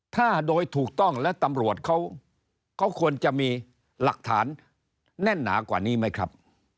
ถ้าโดยถูกต้องและตำรวจเขาควรจะมีหลักฐานแน่นหนากว่านี้ไหมครับ